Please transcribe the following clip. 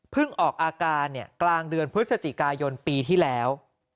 ออกอาการกลางเดือนพฤศจิกายนปีที่แล้ว